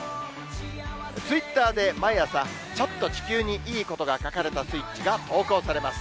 ツイッターで毎朝、ちょっと地球にいいことが書かれたスイッチが投稿されます。